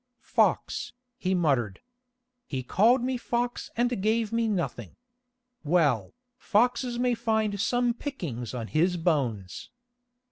"Fox," he muttered. "He called me fox and gave me nothing. Well, foxes may find some pickings on his bones."